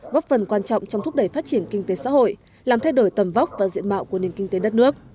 góp phần quan trọng trong thúc đẩy phát triển kinh tế xã hội làm thay đổi tầm vóc và diện mạo của nền kinh tế đất nước